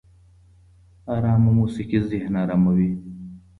ارامه موسيقي ذهن اراموي